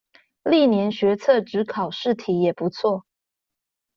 歷年學測指考試題也不錯